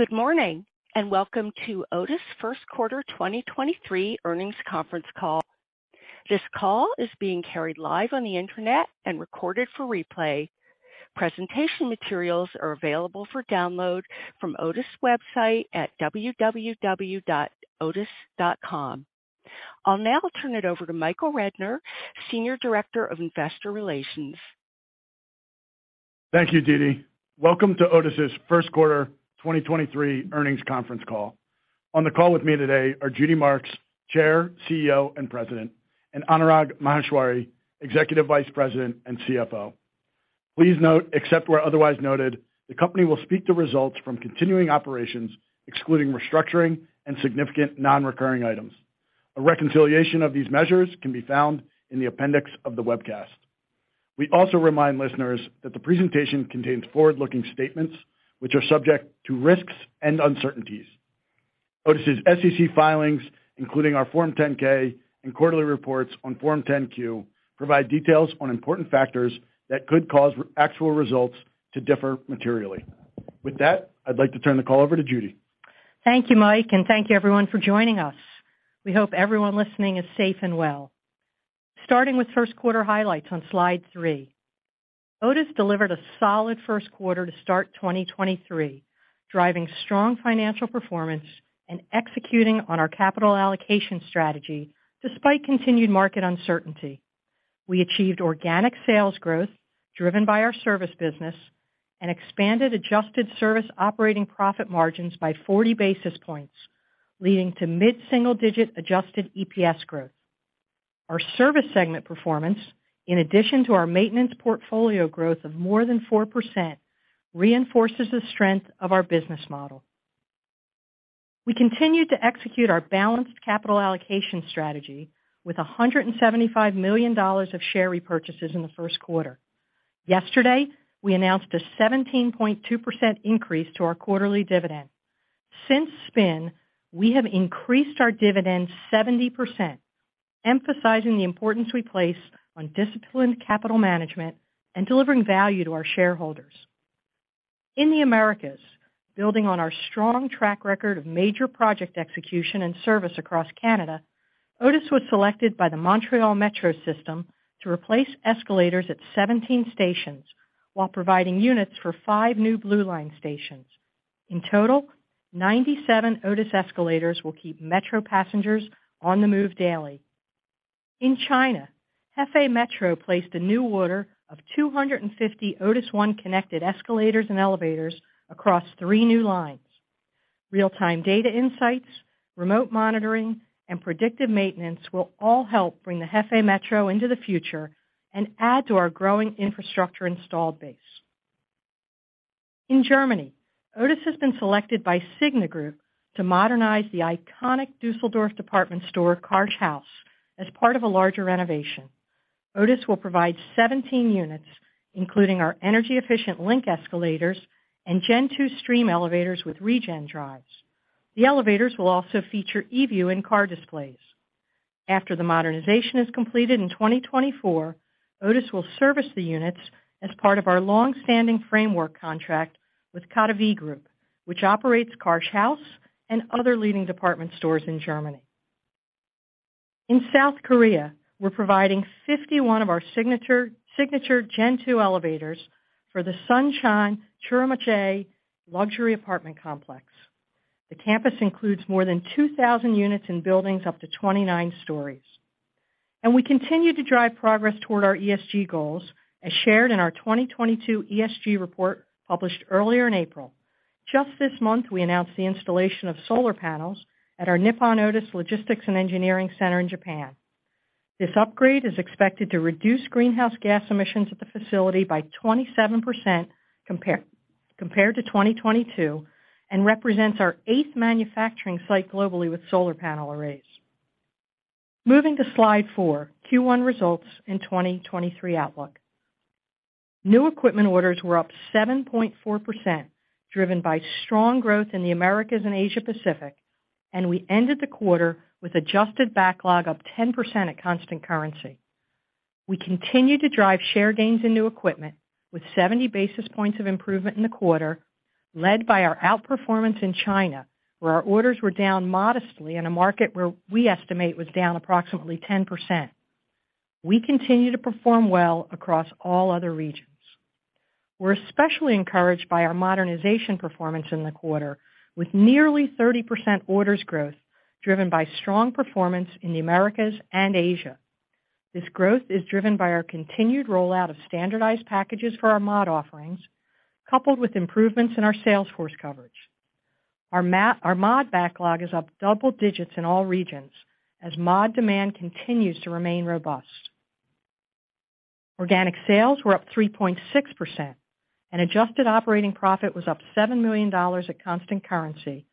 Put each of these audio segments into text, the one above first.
Good morning, and welcome to Otis' First Quarter 2023 Earnings Conference Call. This call is being carried live on the internet and recorded for replay. Presentation materials are available for download from Otis website at www.otis.com. I'll now turn it over to Michael Rednor, Senior Director of Investor Relations. Thank you, DiDi. Welcome to Otis' First Quarter 2023 Earnings Conference Call. On the call with me today are Judy Marks, Chair, CEO, and President, and Anurag Maheshwari, Executive Vice President and CFO. Please note, except where otherwise noted, the company will speak to results from continuing operations, excluding restructuring and significant non-recurring items. A reconciliation of these measures can be found in the appendix of the webcast. We also remind listeners that the presentation contains forward-looking statements which are subject to risks and uncertainties. Otis' SEC filings, including our Form 10-K and quarterly reports on Form 10-Q, provide details on important factors that could cause actual results to differ materially. With that, I'd like to turn the call over to Judy. Thank you, Mike, and thank you everyone for joining us. We hope everyone listening is safe and well. Starting with first quarter highlights on slide three. Otis delivered a solid first quarter to start 2023, driving strong financial performance and executing on our capital allocation strategy despite continued market uncertainty. We achieved organic sales growth driven by our service business and expanded adjusted service operating profit margins by 40 basis points, leading to mid-single-digit adjusted EPS growth. Our service segment performance, in addition to our maintenance portfolio growth of more than 4% reinforces the strength of our business model. We continued to execute our balanced capital allocation strategy with $175 million of share repurchases in the first quarter. Yesterday, we announced a 17.2% increase to our quarterly dividend. Since spin, we have increased our dividend 70%, emphasizing the importance we place on disciplined capital management and delivering value to our shareholders. In the Americas, building on our strong track record of major project execution and service across Canada, Otis was selected by the Montreal Metro system to replace escalators at 17 stations while providing units for five new Blue Line stations. In total, 97 Otis escalators will keep Metro passengers on the move daily. In China, Hefei Metro placed a new order of 250 Otis ONE connected escalators and elevators across three new lines. Real-time data insights, remote monitoring, and predictive maintenance will all help bring the Hefei Metro into the future and add to our growing infrastructure installed base. In Germany, Otis has been selected by SIGNA Group to modernize the iconic Düsseldorf department store Carsch-Haus as part of a larger renovation. Otis will provide 17 units, including our energy-efficient Link escalators and Gen2 Stream elevators with ReGen Drives. The elevators will also feature eView in-car displays. After the modernization is completed in 2024, Otis will service the units as part of our long-standing framework contract with KaDeWe Group, which operates Carsch-Haus and other leading department stores in Germany. In South Korea, we're providing 51 of our signature Gen2 elevators for the Suncheon Churma Jae luxury apartment complex. The campus includes more than 2,000 units in buildings up to 29 stories. We continue to drive progress toward our ESG goals as shared in our 2022 ESG report published earlier in April. Just this month, we announced the installation of solar panels at our Nippon Otis Logistics and Engineering Center in Japan. This upgrade is expected to reduce greenhouse gas emissions at the facility by 27% compared to 2022 and represents our eighth manufacturing site globally with solar panel arrays. Moving to slide four, Q1 results and 2023 outlook. New equipment orders were up 7.4%, driven by strong growth in the Americas and Asia Pacific. We ended the quarter with adjusted backlog up 10% at constant currency. We continue to drive share gains in new equipment with 70 basis points of improvement in the quarter, led by our outperformance in China, where our orders were down modestly in a market where we estimate was down approximately 10%. We continue to perform well across all other regions. We're especially encouraged by our modernization performance in the quarter with nearly 30% orders growth driven by strong performance in the Americas and Asia. This growth is driven by our continued rollout of standardized packages for our mod offerings, coupled with improvements in our sales force coverage. Our mod backlog is up double digits in all regions as mod demand continues to remain robust. Organic sales were up 3.6% and adjusted operating profit was up $7 million at constant currency,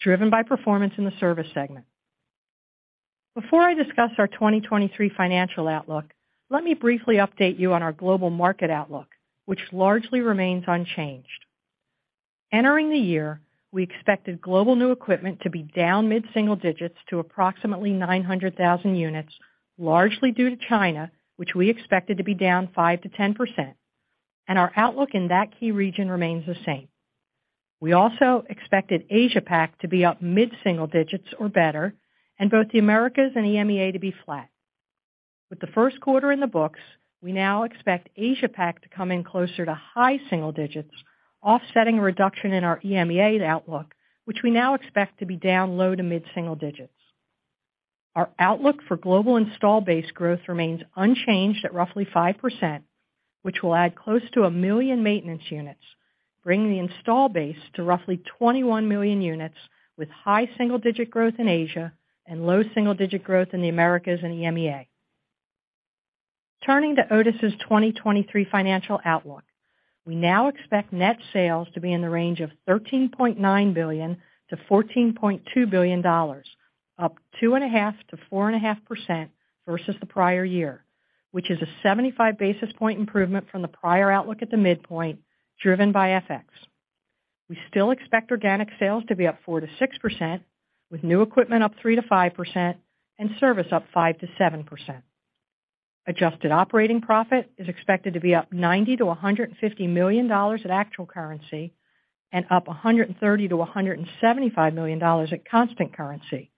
driven by performance in the service segment. Before I discuss our 2023 financial outlook, let me briefly update you on our global market outlook, which largely remains unchanged. Entering the year, we expected global new equipment to be down mid-single digits to approximately 900,000 units, largely due to China, which we expected to be down 5%-10%, and our outlook in that key region remains the same. We also expected Asia Pac to be up mid-single digits or better, and both the Americas and EMEA to be flat. With the first quarter in the books, we now expect Asia Pac to come in closer to high single digits, offsetting a reduction in our EMEA outlook, which we now expect to be down low to mid-single digits. Our outlook for global install base growth remains unchanged at roughly 5%, which will add close to 1 million maintenance units, bringing the install base to roughly 21 million units with high single-digit growth in Asia and low single-digit growth in the Americas and EMEA. Turning to Otis' 2023 financial outlook, we now expect net sales to be in the range of $13.9 billion-$14.2 billion, up 2.5%-4.5% versus the prior year, which is a 75 basis point improvement from the prior outlook at the midpoint, driven by FX. We still expect organic sales to be up 4%-6%, with new equipment up 3%-5% and service up 5%-7%. Adjusted operating profit is expected to be up $90 million-$150 million at actual currency and up $130 million-$175 million at constant currency,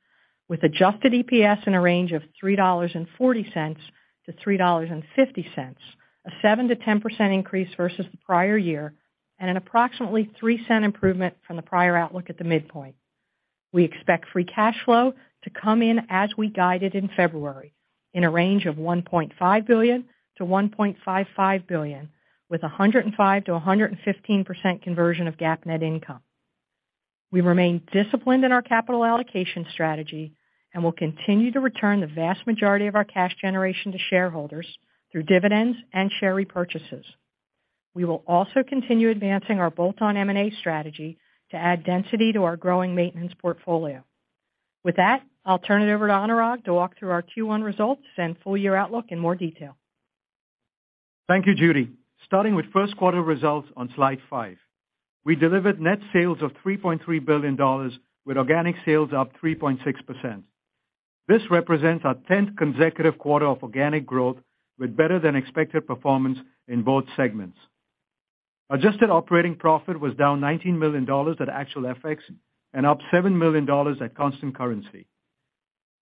with adjusted EPS in a range of $3.40-$3.50, a 7%-10% increase versus the prior year and an approximately $0.03 improvement from the prior outlook at the midpoint. We expect free cash flow to come in as we guided in February, in a range of $1.5 billion-$1.55 billion, with a 105%-115% conversion of GAAP net income. We remain disciplined in our capital allocation strategy and will continue to return the vast majority of our cash generation to shareholders through dividends and share repurchases. We will also continue advancing our bolt-on M&A strategy to add density to our growing maintenance portfolio. With that, I'll turn it over to Anurag to walk through our Q1 results and full year outlook in more detail. Thank you, Judy. Starting with first quarter results on slide five, we delivered net sales of $3.3 billion with organic sales up 3.6%. This represents our tenth consecutive quarter of organic growth with better than expected performance in both segments. Adjusted operating profit was down $19 million at actual FX and up $7 million at constant currency.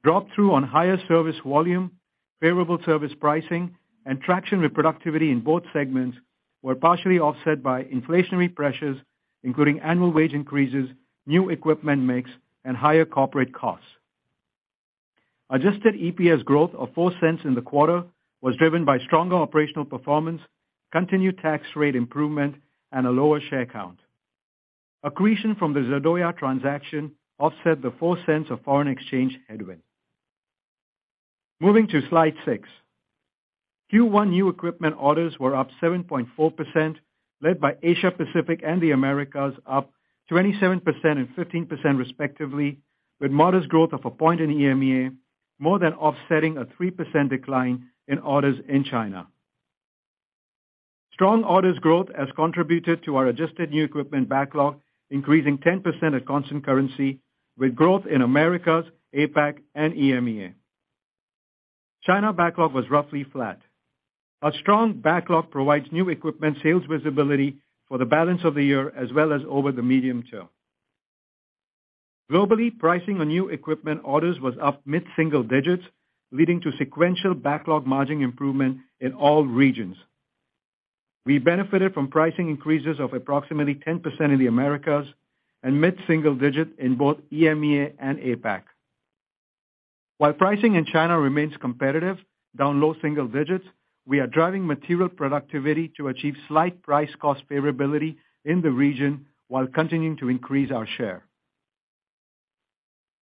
Drop through on higher service volume, favorable service pricing, and traction with productivity in both segments were partially offset by inflationary pressures, including annual wage increases, new equipment mix, and higher corporate costs. Adjusted EPS growth of $0.04 in the quarter was driven by stronger operational performance, continued tax rate improvement, and a lower share count. Accretion from the Zardoya transaction offset the $0.04 of foreign exchange headwind. Moving to slide six. Q1 new equipment orders were up 7.4%, led by Asia Pacific and the Americas, up 27% and 15% respectively, with modest growth of a point in EMEA, more than offsetting a 3% decline in orders in China. Strong orders growth has contributed to our adjusted new equipment backlog, increasing 10% at constant currency, with growth in Americas, APAC, and EMEA. China backlog was roughly flat. Our strong backlog provides new equipment sales visibility for the balance of the year as well as over the medium term. Globally, pricing on new equipment orders was up mid-single digits, leading to sequential backlog margin improvement in all regions. We benefited from pricing increases of approximately 10% in the Americas and mid-single digits in both EMEA and APAC. While pricing in China remains competitive, down low single-digits, we are driving material productivity to achieve slight price cost favorability in the region while continuing to increase our share.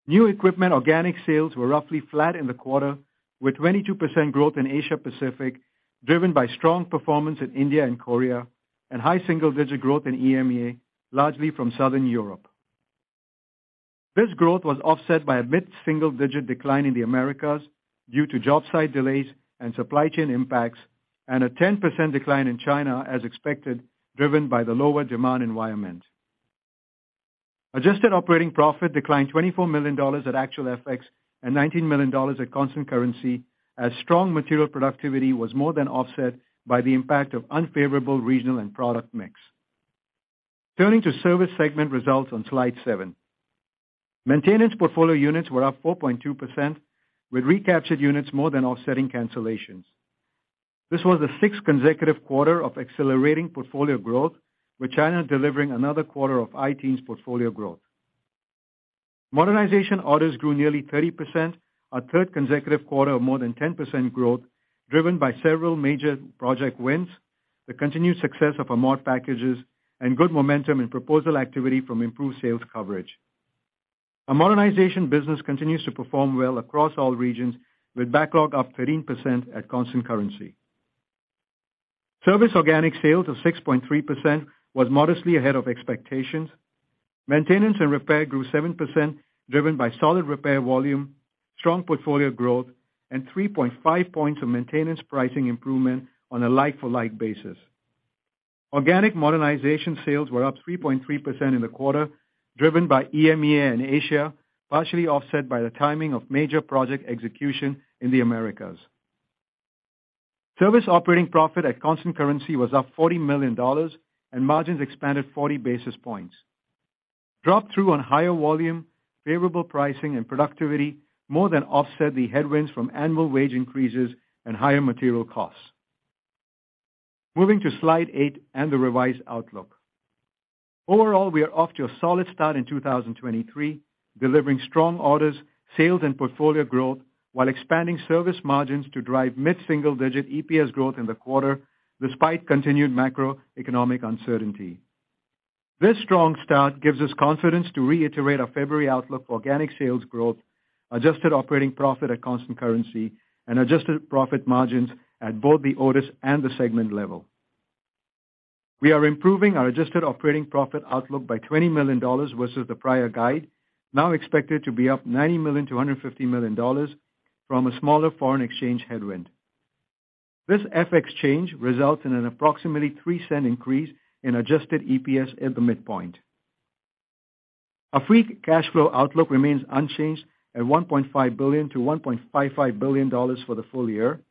New equipment organic sales were roughly flat in the quarter, with 22% growth in Asia Pacific, driven by strong performance in India and Korea and high single-digit growth in EMEA, largely from Southern Europe. This growth was offset by a mid-single-digit decline in the Americas due to job site delays and supply chain impacts, and a 10% decline in China as expected, driven by the lower demand environment. Adjusted operating profit declined $24 million at actual FX and $19 million at constant currency as strong material productivity was more than offset by the impact of unfavorable regional and product mix. Turning to service segment results on slide seven. Maintenance portfolio units were up 4.2%, with recaptured units more than offsetting cancellations. This was the sixth consecutive quarter of accelerating portfolio growth, with China delivering another quarter of its portfolio growth. Modernization orders grew nearly 30%, our third consecutive quarter of more than 10% growth, driven by several major project wins, the continued success of our mod packages, and good momentum in proposal activity from improved sales coverage. Our modernization business continues to perform well across all regions, with backlog up 13% at constant currency. Service organic sales of 6.3% was modestly ahead of expectations. Maintenance and repair grew 7%, driven by solid repair volume, strong portfolio growth, and 3.5 points of maintenance pricing improvement on a like-for-like basis. Organic modernization sales were up 3.3% in the quarter, driven by EMEA and Asia, partially offset by the timing of major project execution in the Americas. Service operating profit at constant currency was up $40 million and margins expanded 40 basis points. Drop-through on higher volume, favorable pricing and productivity more than offset the headwinds from annual wage increases and higher material costs. Moving to slide eight and the revised outlook. Overall, we are off to a solid start in 2023, delivering strong orders, sales and portfolio growth while expanding service margins to drive mid-single-digit EPS growth in the quarter despite continued macroeconomic uncertainty. This strong start gives us confidence to reiterate our February outlook for organic sales growth, adjusted operating profit at constant currency and adjusted profit margins at both the Otis and the segment level. We are improving our adjusted operating profit outlook by $20 million versus the prior guide, now expected to be up $90 million-$150 million from a smaller foreign exchange headwind. This FX change results in an approximately $0.03 increase in adjusted EPS at the midpoint. Our free cash flow outlook remains unchanged at $1.5 billion-$1.55 billion for the full year.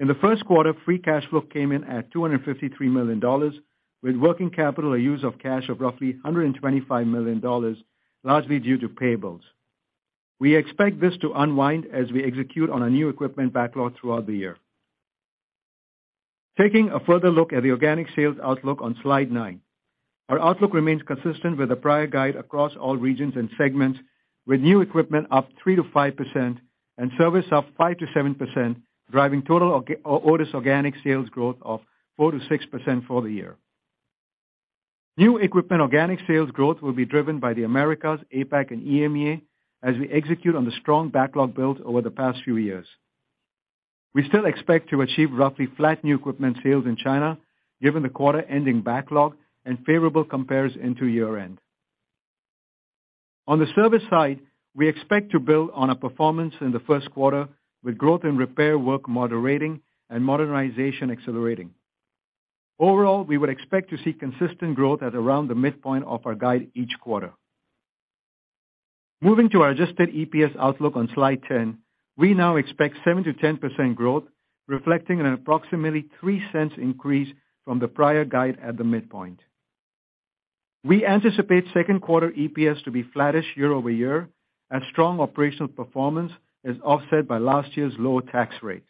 In the first quarter, free cash flow came in at $253 million, with working capital a use of cash of roughly $125 million, largely due to payables. We expect this to unwind as we execute on our new equipment backlog throughout the year. Taking a further look at the organic sales outlook on slide nine. Our outlook remains consistent with the prior guide across all regions and segments, with new equipment up 3%-5% and service up 5%-7%, driving total Otis organic sales growth of 4%-6% for the year. New equipment organic sales growth will be driven by the Americas, APAC and EMEA as we execute on the strong backlog built over the past few years. We still expect to achieve roughly flat new equipment sales in China, given the quarter-ending backlog and favorable compares into year-end. On the service side, we expect to build on our performance in the first quarter with growth in repair work moderating and modernization accelerating. Overall, we would expect to see consistent growth at around the midpoint of our guide each quarter. Moving to our adjusted EPS outlook on slide 10, we now expect 7%-10% growth, reflecting an approximately $0.03 increase from the prior guide at the midpoint. We anticipate second quarter EPS to be flattish year-over-year as strong operational performance is offset by last year's lower tax rate.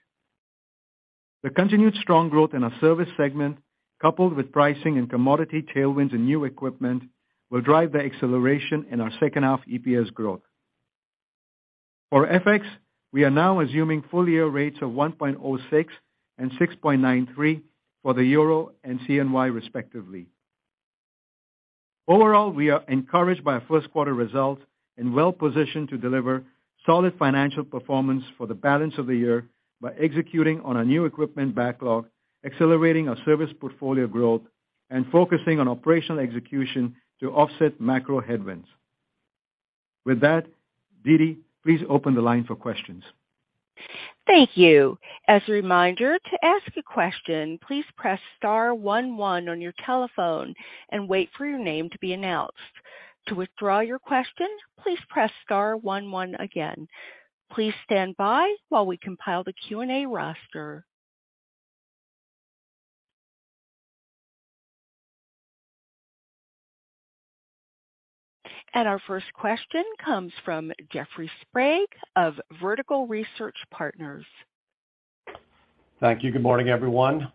The continued strong growth in our service segment, coupled with pricing and commodity tailwinds in new equipment, will drive the acceleration in our second half EPS growth. For FX, we are now assuming full-year rates of 1.06 and 6.93 for the EUR and CNY, respectively. Overall, we are encouraged by our first quarter results and well positioned to deliver solid financial performance for the balance of the year by executing on our new equipment backlog, accelerating our service portfolio growth, and focusing on operational execution to offset macro headwinds. With that, DiDi, please open the line for questions. Thank you. As a reminder, to ask a question, please press star one one on your telephone and wait for your name to be announced. To withdraw your question, please press star one one again. Please stand by while we compile the Q&A roster. Our first question comes from Jeffrey Sprague of Vertical Research Partners. Thank you. Good morning, everyone.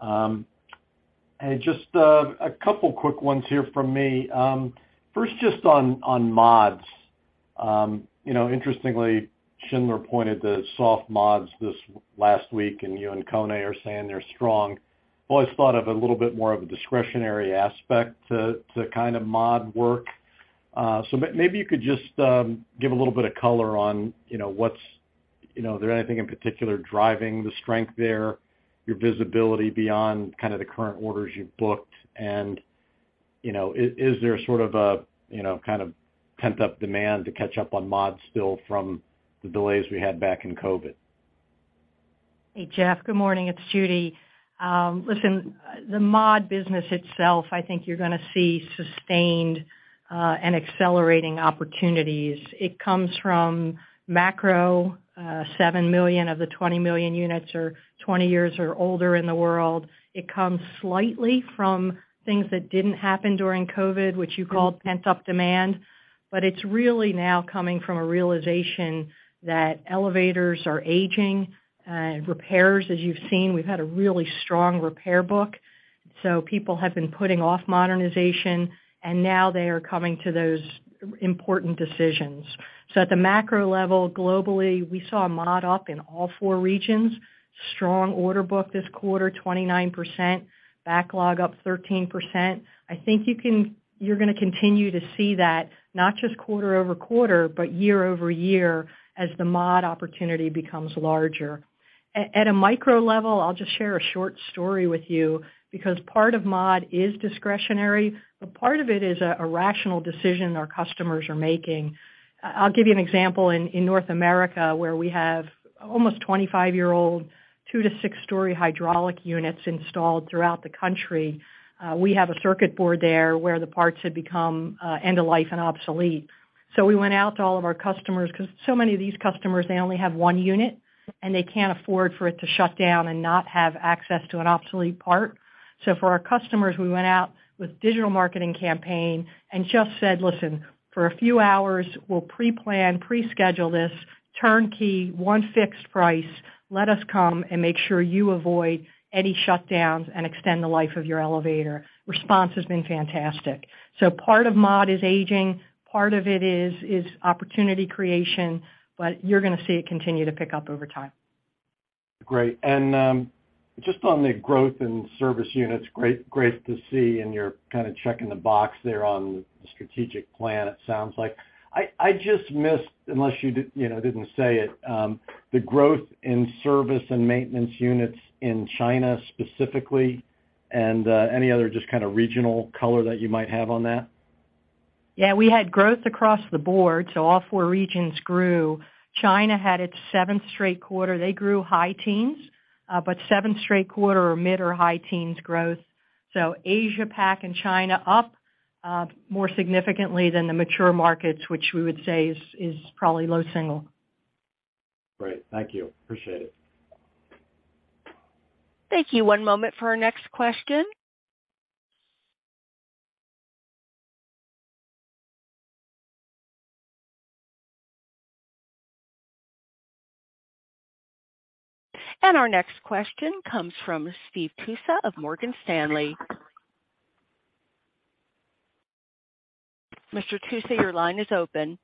Hey, just a couple quick ones here from me. First, just on mods. You know, interestingly, Schindler pointed to soft mods this last week, and you and KONE are saying they're strong. Always thought of a little bit more of a discretionary aspect to kind of mod work. So maybe you could just give a little bit of color on, you know, what's there anything in particular driving the strength there, your visibility beyond kind of the current orders you've booked? Is there sort of a kind of pent-up demand to catch up on mods still from the delays we had back in COVID? Hey, Jeff, good morning. It's Judy. Listen, the mod business itself, I think you're gonna see sustained and accelerating opportunities. It comes from macro, 7 million of the 20 million units are 20 years or older in the world. It comes slightly from things that didn't happen during COVID, which you called pent-up demand. It's really now coming from a realization that elevators are aging. Repairs, as you've seen, we've had a really strong repair book, people have been putting off modernization, now they are coming to those important decisions. At the macro level, globally, we saw a mod up in all four regions. Strong order book this quarter, 29%. Backlog up 13%. I think you're gonna continue to see that not just quarter-over-quarter, but year-over-year as the mod opportunity becomes larger. At a micro level, I'll just share a short story with you because part of mod is discretionary, but part of it is a rational decision our customers are making. I'll give you an example. In North America, where we have almost 25-year-old, 2-6 storey hydraulic units installed throughout the country, we have a circuit board there where the parts had become end of life and obsolete. We went out to all of our customers because so many of these customers, they only have one unit, and they can't afford for it to shut down and not have access to an obsolete part. For our customers, we went out with digital marketing campaign and just said, "Listen, for a few hours, we'll pre-plan, pre-schedule this, turnkey, one fixed price. Let us come and make sure you avoid any shutdowns and extend the life of your elevator." Response has been fantastic. Part of mod is aging, part of it is opportunity creation, but you're gonna see it continue to pick up over time. Great. Just on the growth in service units, great to see, and you're kinda checking the box there on the strategic plan, it sounds like. I just missed, unless you know, didn't say it, the growth in service and maintenance units in China specifically and any other just kinda regional color that you might have on that. Yeah, we had growth across the board. All four regions grew. China had its seventh straight quarter. They grew high teens, but seventh straight quarter of mid or high teens growth. Asia Pac and China up, more significantly than the mature markets, which we would say is probably low single. Great. Thank you. Appreciate it. Thank you. One moment for our next question. Our next question comes from Steve Tusa of Morgan Stanley. Mr. Tusa, your line is open.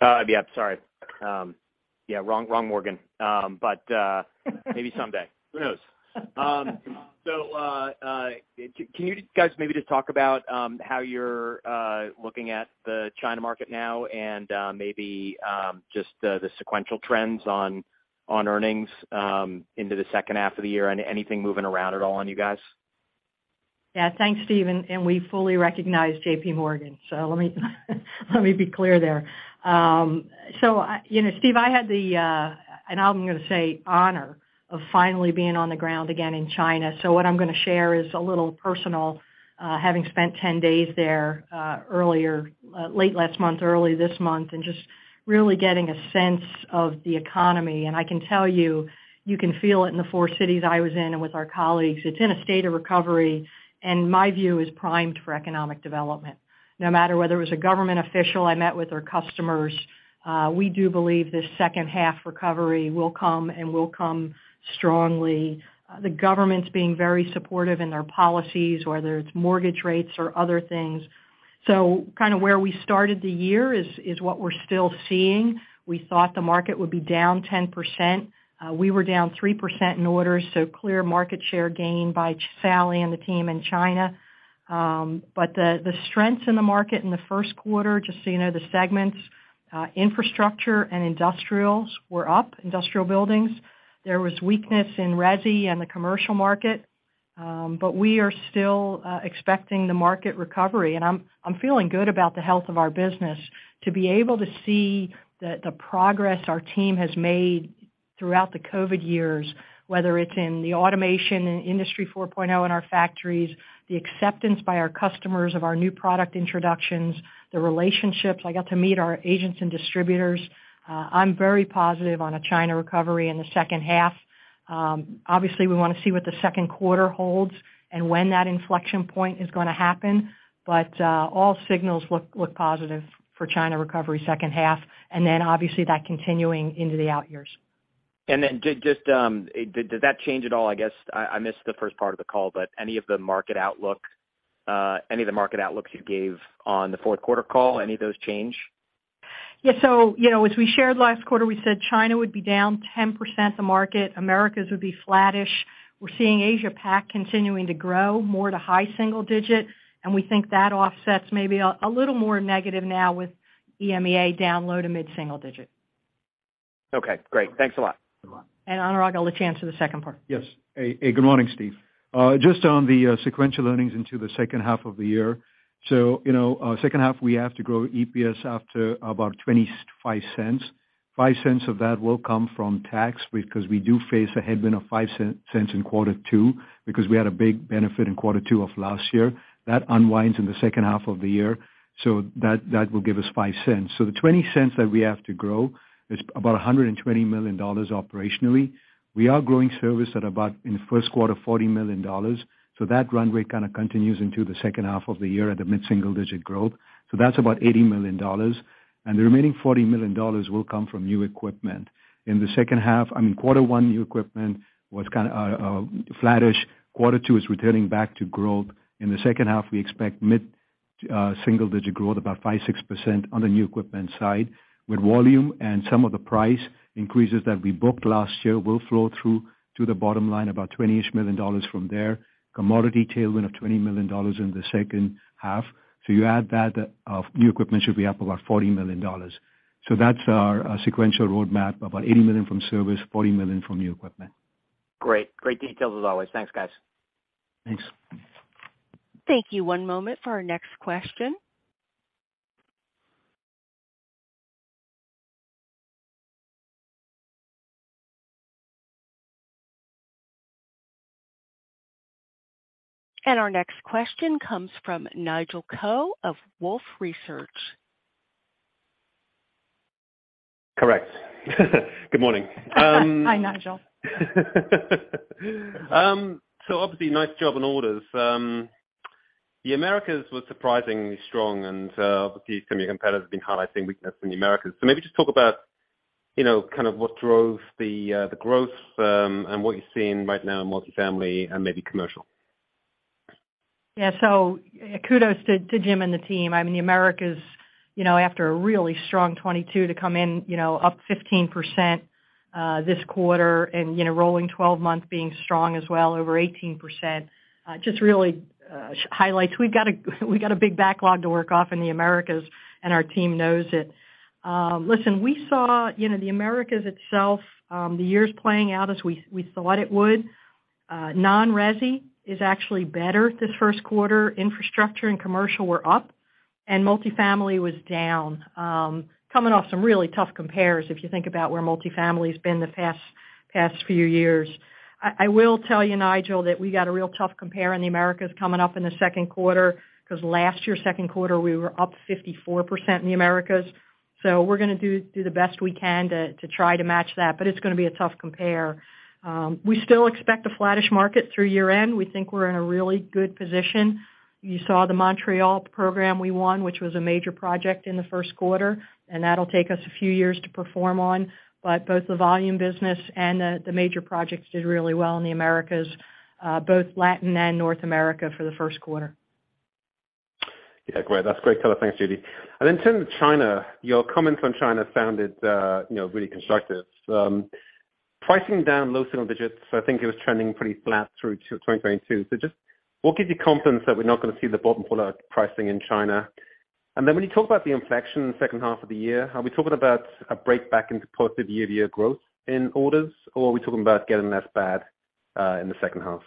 Yeah, sorry. Yeah, wrong Morgan. Maybe someday. Who knows? Can you guys maybe just talk about how you're looking at the China market now and maybe just the sequential trends on earnings into the second half of the year. Anything moving around at all on you guys? Yeah. Thanks, Steven. We fully recognize JPMorgan, let me be clear there. You know, Steve, I had the, and now I'm gonna say honor of finally being on the ground again in China. What I'm gonna share is a little personal, having spent 10 days there, earlier, late last month, early this month, and just really getting a sense of the economy. I can tell you can feel it in the four cities I was in and with our colleagues. It's in a state of recovery, and my view is primed for economic development. No matter whether it was a government official I met with or customers, we do believe this second half recovery will come and will come strongly. The government's being very supportive in their policies, whether it's mortgage rates or other things. Kinda where we started the year is what we're still seeing. We thought the market would be down 10%. We were down 3% in orders, so clear market share gain by Sally and the team in China. The strengths in the market in the first quarter, just so you know, the segments, infrastructure and industrials were up, industrial buildings. There was weakness in resi and the commercial market. We are still expecting the market recovery, and I'm feeling good about the health of our business. To be able to see the progress our team has made throughout the COVID years, whether it's in the automation and Industry 4.0 in our factories, the acceptance by our customers of our new product introductions, the relationships. I got to meet our agents and distributors. I'm very positive on a China recovery in the second half. Obviously we wanna see what the second quarter holds and when that inflection point is gonna happen. All signals look positive for China recovery second half, and then obviously that continuing into the out years. Did just, did that change at all? I guess I missed the first part of the call, but any of the market outlook you gave on the fourth quarter call, any of those change? Yeah. You know, as we shared last quarter, we said China would be down 10% the market. Americas would be flattish. We're seeing Asia Pac continuing to grow more to high single digit, and we think that offsets maybe a little more negative now with EMEA down low to mid-single digit. Okay. Great. Thanks a lot. Anurag, I'll let you answer the second part. Yes. Hey, good morning, Steve. Just on the sequential earnings into the second half of the year. You know, second half we have to grow EPS up to about $0.25. $0.05 of that will come from tax because we do face a headwind of $0.05 in Q2, because we had a big benefit in Q2 of last year. That unwinds in the second half of the year. That will give us $0.05. The $0.20 that we have to grow is about $120 million operationally. We are growing service at about, in Q1, $40 million. That runway kinda continues into the second half of the year at a mid-single digit growth. That's about $80 million. The remaining $40 million will come from new equipment. In the second half, I mean, quarter one new equipment was flattish. Quarter two is returning back to growth. In the second half, we expect mid single digit growth, about 5%-6% on the new equipment side, with volume and some of the price increases that we booked last year will flow through to the bottom line, about twenty-ish million dollars from there. Commodity tailwind of $20 million in the second half. You add that, new equipment should be up about $40 million. That's our sequential roadmap, about $80 million from service, $40 million from new equipment. Great. Great details as always. Thanks, guys. Thanks. Thank you. One moment for our next question. Our next question comes from Nigel Coe of Wolfe Research. Correct. Good morning. Hi, Nigel. Obviously nice job on orders. The Americas was surprisingly strong and, obviously some of your competitors have been highlighting weakness in the Americas. Maybe just talk about, you know, kind of what drove the growth, and what you're seeing right now in multifamily and maybe commercial. Kudos to Jim and the team. I mean, the Americas, you know, after a really strong 2022 to come in, you know, up 15% this quarter and, you know, rolling 12-month being strong as well over 18% just really highlights. We've got a big backlog to work off in the Americas, our team knows it. Listen, we saw, you know, the Americas itself, the year's playing out as we thought it would. Non-resi is actually better this 1st quarter. Infrastructure and commercial were up, multifamily was down, coming off some really tough compares if you think about where multifamily's been the past few years. I will tell you, Nigel, that we got a real tough compare in the Americas coming up in the second quarter 'cause last year, second quarter, we were up 54% in the Americas. We're gonna do the best we can to try to match that, but it's gonna be a tough compare. We still expect a flattish market through year-end. We think we're in a really good position. You saw the Montreal program we won, which was a major project in the first quarter, and that'll take us a few years to perform on. Both the volume business and the major projects did really well in the Americas, both Latin and North America for the first quarter. Yeah, great. That's great color. Thanks, Judy. In terms of China, your comments on China sounded, you know, really constructive. Pricing down low single digits, so I think it was trending pretty flat through to 2022. Just what gives you confidence that we're not gonna see the bottom fall out pricing in China? Then when you talk about the inflection in the second half of the year, are we talking about a break back into positive year-over-year growth in orders, or are we talking about getting less bad in the second half?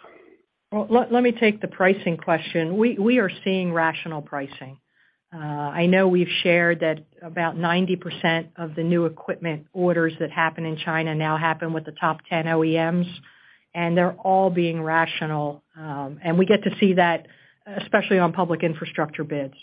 Well, let me take the pricing question. We are seeing rational pricing. I know we've shared that about 90% of the new equipment orders that happen in China now happen with the top 10 OEMs, and they're all being rational. We get to see that, especially on public infrastructure bids.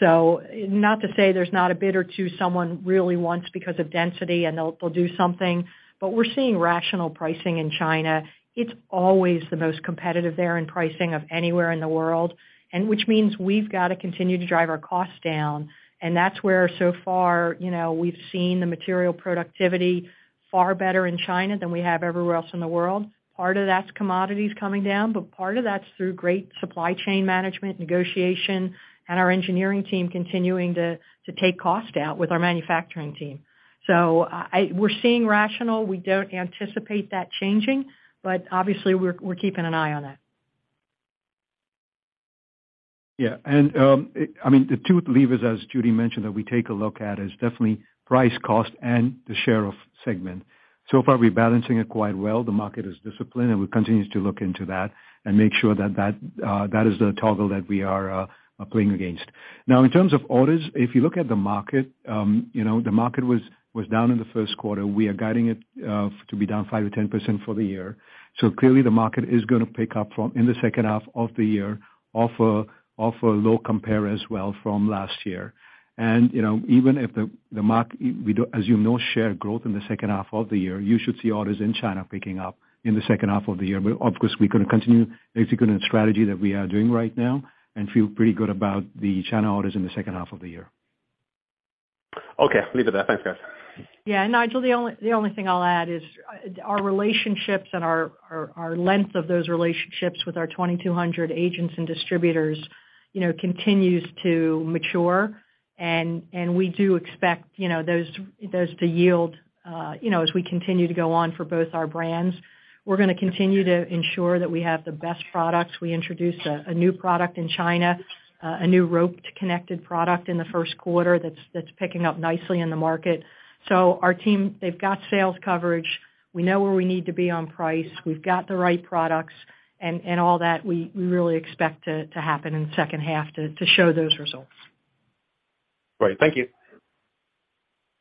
Not to say there's not a bid or two someone really wants because of density, and they'll do something, but we're seeing rational pricing in China. It's always the most competitive there in pricing of anywhere in the world, which means we've got to continue to drive our costs down, and that's where, so far, you know, we've seen the material productivity far better in China than we have everywhere else in the world. Part of that's commodities coming down, but part of that's through great supply chain management, negotiation, and our engineering team continuing to take cost out with our manufacturing team. We're seeing rational. We don't anticipate that changing, but obviously we're keeping an eye on it. Yeah. I mean, the two levers, as Judy mentioned, that we take a look at is definitely price cost and the share of segment. Far, we're balancing it quite well. The market is disciplined. We continue to look into that and make sure that that is the toggle that we are playing against. Now, in terms of orders, if you look at the market, you know, the market was down in the first quarter. We are guiding it to be down 5%-10% for the year. Clearly the market is gonna pick up from in the second half of the year off a low compare as well from last year. you know, even if we do assume no share growth in the second half of the year, you should see orders in China picking up in the second half of the year. Of course, we're gonna continue executing the strategy that we are doing right now and feel pretty good about the China orders in the second half of the year. Okay. Leave it there. Thanks, guys. Yeah. Nigel, the only thing I'll add is our relationships and our length of those relationships with our 2,200 agents and distributors, you know, continues to mature, and we do expect, you know, those to yield, you know, as we continue to go on for both our brands. We're going to continue to ensure that we have the best products. We introduced a new product in China, a new roped connected product in the first quarter that's picking up nicely in the market. Our team, they've got sales coverage. We know where we need to be on price. We've got the right products and all that we really expect to happen in the second half to show those results. Great. Thank you.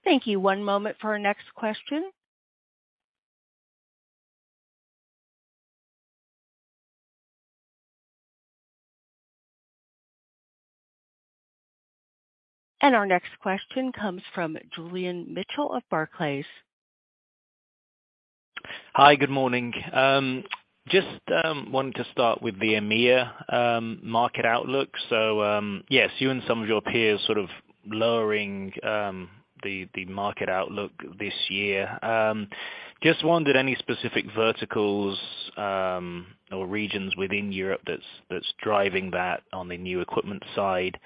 Thank you. One moment for our next question. Our next question comes from Julian Mitchell of Barclays. Hi. Good morning. Just wanted to start with the EMEA market outlook. Yes, you and some of your peers sort of lowering the market outlook this year. Just wondered any specific verticals or regions within Europe that's driving that on the new equipment side.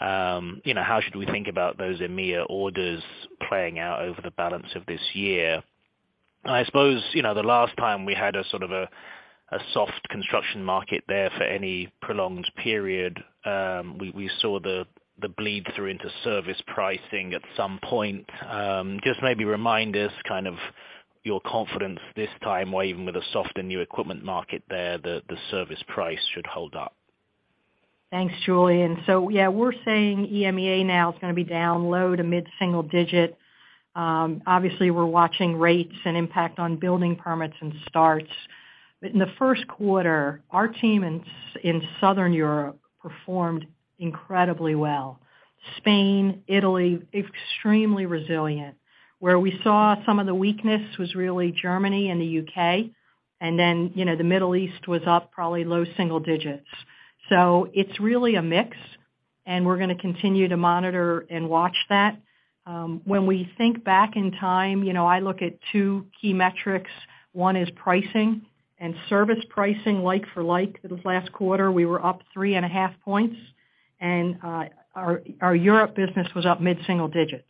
You know, how should we think about those EMEA orders playing out over the balance of this year? I suppose, you know, the last time we had a sort of a soft construction market there for any prolonged period, we saw the bleed through into service pricing at some point. Just maybe remind us kind of your confidence this time why even with a softer new equipment market there that the service price should hold up. Thanks, Julian. We're saying EMEA now is going to be down low to mid-single digit. Obviously we're watching rates and impact on building permits and starts. In the first quarter, our team in Southern Europe performed incredibly well. Spain, Italy, extremely resilient. Where we saw some of the weakness was really Germany and the U.K., then, you know, the Middle East was up probably low single digits. It's really a mix. We're going to continue to monitor and watch that. When we think back in time, you know, I look at two key metrics. One is pricing and service pricing like for like. This last quarter, we were up 3.5 points, and our Europe business was up mid-single digits.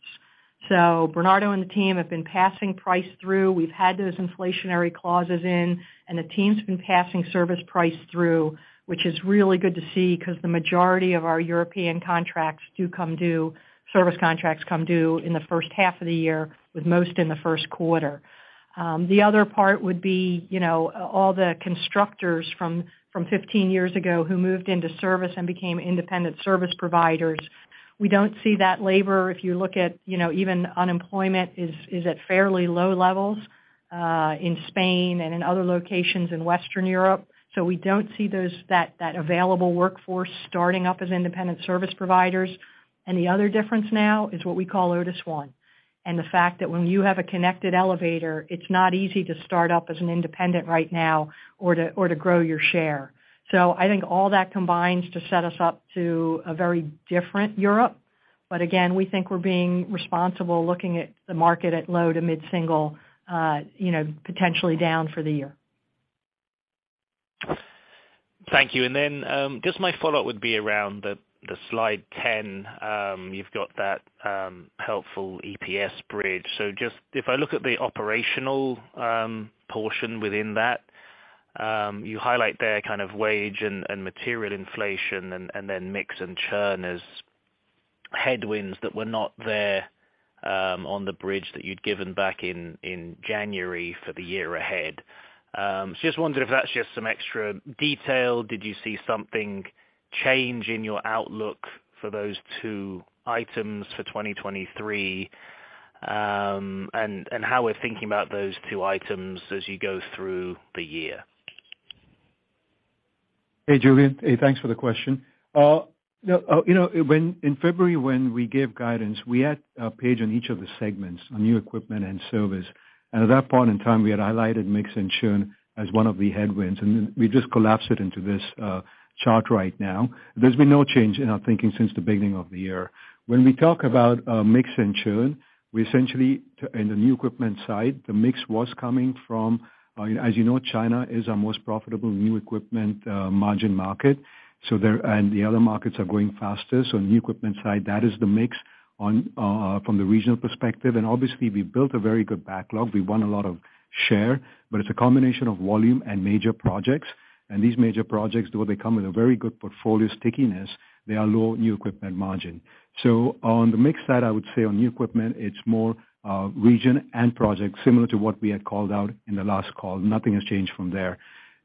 Bernardo and the team have been passing price through. We've had those inflationary clauses in, and the team's been passing service price through, which is really good to see 'cause the majority of our European contracts do come due, service contracts come due in the first half of the year, with most in the first quarter. The other part would be, you know, all the constructors from 15 years ago who moved into service and became independent service providers. We don't see that labor. If you look at, you know, even unemployment is at fairly low levels in Spain and in other locations in Western Europe, so we don't see those, that available workforce starting up as independent service providers. The other difference now is what we call Otis ONE. The fact that when you have a connected elevator, it's not easy to start up as an independent right now or to grow your share. I think all that combines to set us up to a very different Europe. Again, we think we're being responsible looking at the market at low to mid-single, you know, potentially down for the year. Thank you. Then, just my follow-up would be around the slide 10. You've got that helpful EPS bridge. Just if I look at the operational portion within that, you highlight there kind of wage and material inflation and then mix and churn as headwinds that were not there, on the bridge that you'd given back in January for the year ahead. Just wondered if that's just some extra detail. Did you see something change in your outlook for those two items for 2023? How we're thinking about those two items as you go through the year? Hey, Julian. Hey, thanks for the question. you know, you know, in February, when we gave guidance, we had a page on each of the segments on new equipment and service, and at that point in time, we had highlighted mix and churn as one of the headwinds, and we just collapsed it into this chart right now. There's been no change in our thinking since the beginning of the year. When we talk about mix and churn, we essentially, in the new equipment side, the mix was coming from, as you know, China is our most profitable new equipment margin market. The other markets are growing faster. On the equipment side, that is the mix on from the regional perspective. Obviously we built a very good backlog. We won a lot of share, but it's a combination of volume and major projects. These major projects, though they come with a very good portfolio stickiness, they are low new equipment margin. On the mix side, I would say on new equipment, it's more region and project similar to what we had called out in the last call. Nothing has changed from there.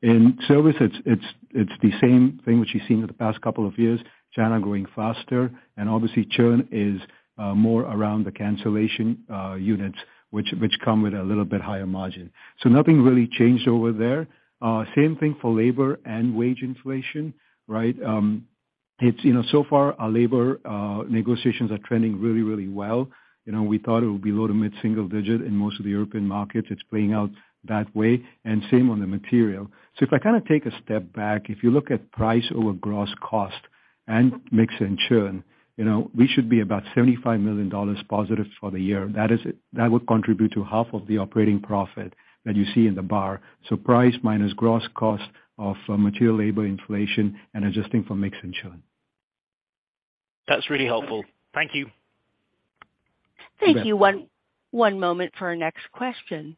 In service it's the same thing which you've seen in the past couple of years, China growing faster, and obviously churn is more around the cancellation units, which come with a little bit higher margin. Nothing really changed over there. Same thing for labor and wage inflation, right? It's, you know, so far our labor negotiations are trending really, really well. You know, we thought it would be low to mid-single digit in most of the European markets. It's playing out that way and same on the material. If I kinda take a step back, if you look at price over gross cost and mix and churn, you know, we should be about $75 million positive for the year. That is, that would contribute to half of the operating profit that you see in the bar. Price minus gross cost of material labor inflation and adjusting for mix and churn. That's really helpful. Thank you. Thank you. One moment for our next question.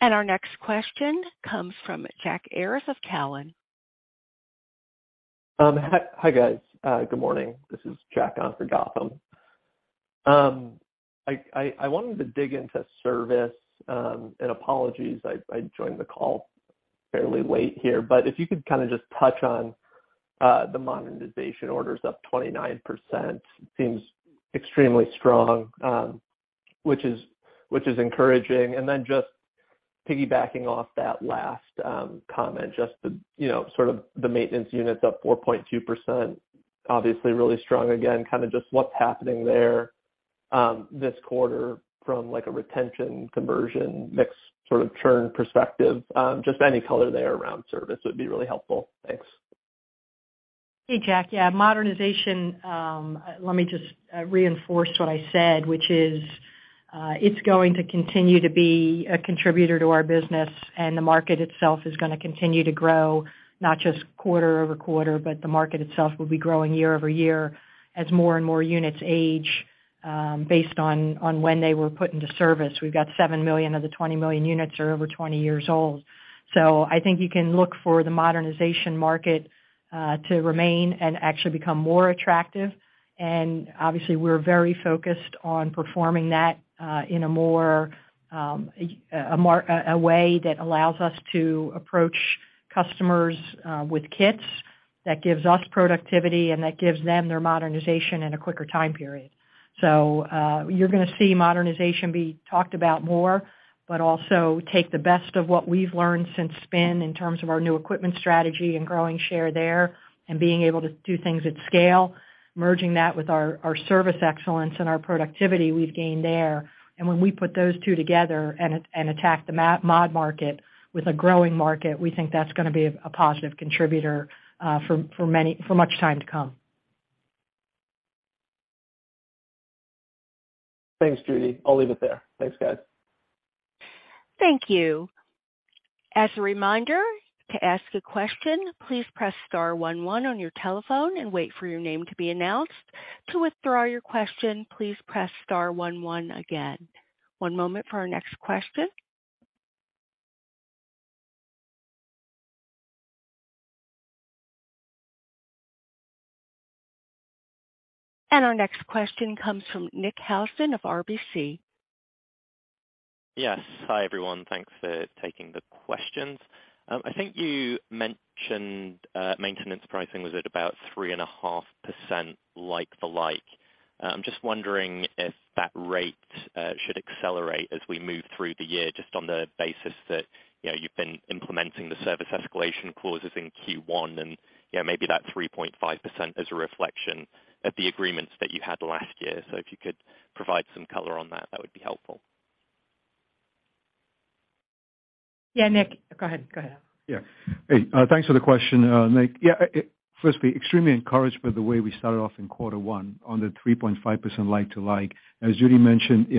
Our next question comes from Jack Ayers of Cowen. Hi guys. Good morning. This is Jack on for Gotham. I wanted to dig into service, and apologies I joined the call fairly late here, but if you could kinda just touch on the modernization orders up 29% seems extremely strong, which is encouraging. Just piggybacking off that last comment, just the, you know, sort of the maintenance units up 4.2%, obviously really strong. Again, kinda just what's happening there this quarter from, like, a retention conversion mix sort of churn perspective. Just any color there around service would be really helpful. Thanks. Hey, Jack. Yeah, modernization, let me just reinforce what I said, which is, it's going to continue to be a contributor to our business, and the market itself is gonna continue to grow, not just quarter-over-quarter, but the market itself will be growing year-over-year as more and more units age, based on when they were put into service. We've got 7 million of the 20 million units are over 20 years old. I think you can look for the modernization market to remain and actually become more attractive. obviously we're very focused on performing that in a more, a way that allows us to approach customers with kits that gives us productivity and that gives them their modernization in a quicker time period. You're gonna see modernization be talked about more. But also take the best of what we've learned since spin in terms of our new equipment strategy and growing share there and being able to do things at scale, merging that with our service excellence and our productivity we've gained there. When we put those two together and attack the mod market with a growing market, we think that's gonna be a positive contributor for much time to come. Thanks, Judy. I'll leave it there. Thanks, guys. Thank you. As a reminder, to ask a question, please press star one one on your telephone and wait for your name to be announced. To withdraw your question, please press star one one again. One moment for our next question. Our next question comes from Nick Housden of RBC. Yes. Hi, everyone. Thanks for taking the questions. I think you mentioned maintenance pricing was at about 3.5% like for like. I'm just wondering if that rate should accelerate as we move through the year just on the basis that, you know, you've been implementing the service escalation clauses in Q1, and, you know, maybe that 3.5% is a reflection of the agreements that you had last year. If you could provide some color on that would be helpful. Yeah, Nick. Go ahead. Go ahead. Yeah. Hey, thanks for the question, Nick. Yeah, firstly, extremely encouraged by the way we started off in Q1 on the 3.5% like to like. As Judy mentioned, you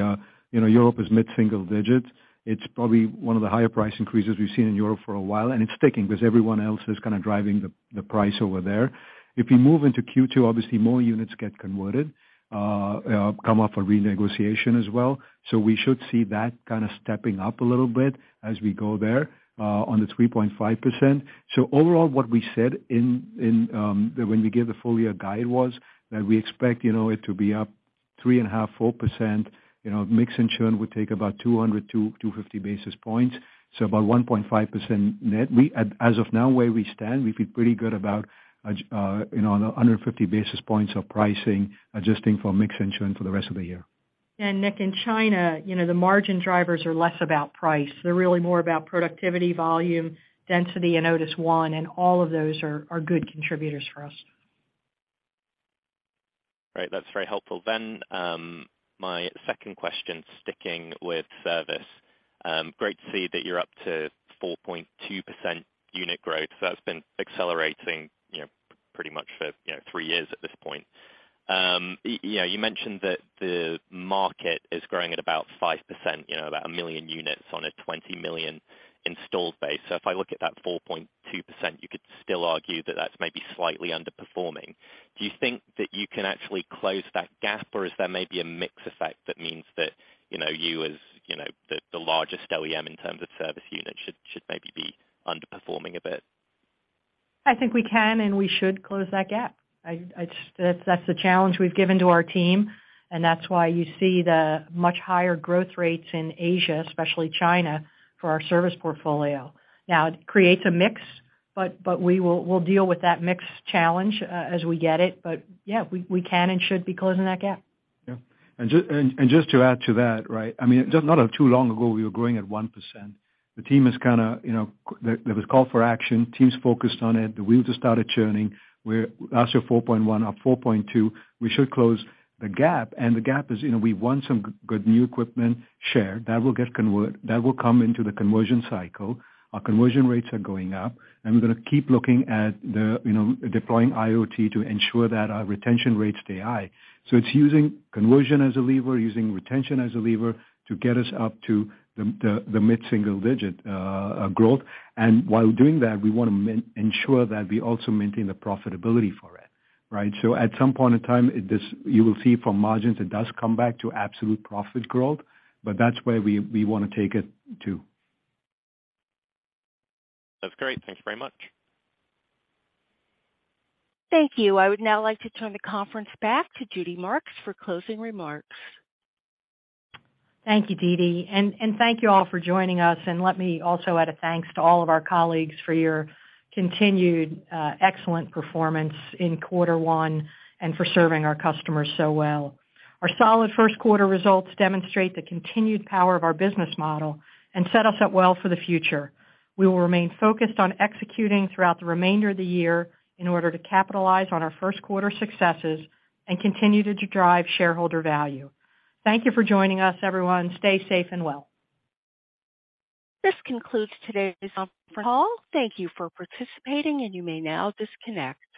know, Europe is mid-single digit. It's probably one of the higher price increases we've seen in Europe for a while, and it's sticking because everyone else is kinda driving the price over there. If we move into Q2, obviously more units get converted, come up for renegotiation as well. We should see that kinda stepping up a little bit as we go there on the 3.5%. Overall, what we said in, when we gave the full year guide was that we expect, you know, it to be up 3.5%-4%. You know, mix and churn would take about 200-250 basis points, so about 1.5% net. As of now where we stand, we feel pretty good about, you know, under 50 basis points of pricing, adjusting for mix and churn for the rest of the year. Nick, in China, you know, the margin drivers are less about price. They're really more about productivity, volume, density, and Otis ONE, and all of those are good contributors for us. Great. That's very helpful. My second question, sticking with service. Great to see that you're up to 4.2% unit growth. That's been accelerating, you know, pretty much for, you know, three years at this point. You know, you mentioned that the market is growing at about 5%, you know, about 1 million units on a 20 million installed base. If I look at that 4.2%, you could still argue that that's maybe slightly underperforming. Do you think that you can actually close that gap, or is there maybe a mix effect that means that, you know, you as, you know, the largest OEM in terms of service units should maybe be underperforming a bit? I think we can and we should close that gap. That's the challenge we've given to our team, and that's why you see the much higher growth rates in Asia, especially China, for our service portfolio. It creates a mix, but we'll deal with that mix challenge, as we get it. Yeah, we can and should be closing that gap. Yeah. Just to add to that, right? I mean, just not too long ago, we were growing at 1%. The team has kinda, you know, there was call for action. Team's focused on it. The wheels have started churning. We're also 4.1% or 4.2%. We should close the gap, the gap is, you know, we won some good new equipment share. That will get convert. That will come into the conversion cycle. Our conversion rates are going up, we're gonna keep looking at the, you know, deploying IoT to ensure that our retention rates stay high. It's using conversion as a lever, using retention as a lever to get us up to the mid-single digit growth. While doing that, we wanna ensure that we also maintain the profitability for it, right? At some point in time, this, you will see from margins, it does come back to absolute profit growth, but that's where we wanna take it too. That's great. Thanks very much. Thank you. I would now like to turn the conference back to Judy Marks for closing remarks. Thank you, DiDi, and thank you all for joining us. Let me also add a thanks to all of our colleagues for your continued excellent performance in quarter one and for serving our customers so well. Our solid first quarter results demonstrate the continued power of our business model and set us up well for the future. We will remain focused on executing throughout the remainder of the year in order to capitalize on our first quarter successes and continue to drive shareholder value. Thank you for joining us, everyone. Stay safe and well. This concludes today's conference call. Thank you for participating, and you may now disconnect.